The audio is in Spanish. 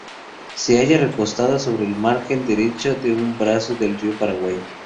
Se halla recostada sobre la margen derecha de un brazo del río Paraguay.